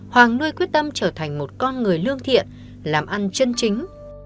hoàng nuôi quyết tâm trở thành một con người lương thiện làm ăn chân chính